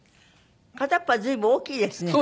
片っ方は随分大きいですね。